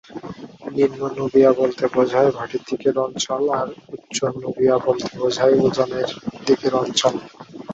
নিম্ন নুবিয়া বলতে বোঝায় ভাটির দিকের অঞ্চল আর উচ্চ নুবিয়া বলতে বোঝায় উজানের দিকের অঞ্চল।